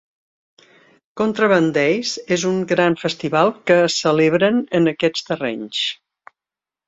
Contraband Days és un gran festival que es celebren en aquests terrenys.